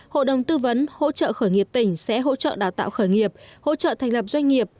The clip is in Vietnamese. hội đồng tư vấn hỗ trợ khởi nghiệp tỉnh sẽ hỗ trợ đào tạo khởi nghiệp hỗ trợ thành lập doanh nghiệp